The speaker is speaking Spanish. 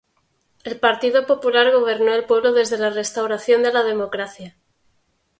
El Partido Popular gobernó el pueblo desde la restauración de la democracia.